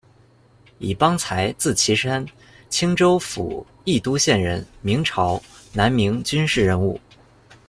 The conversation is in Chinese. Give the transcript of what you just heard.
乙邦才，字奇山，青州府益都县人，明朝、南明军事人物。